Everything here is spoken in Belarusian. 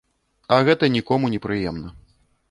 А гэта нікому не прыемна.